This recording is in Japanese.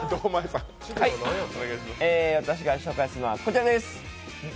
私が紹介するのはこちらです。